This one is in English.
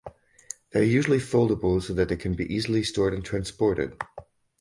They are usually foldable so that they can be easily stored and transported.